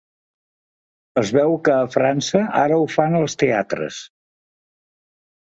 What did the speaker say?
Es veu que a França ara ho fan als teatres.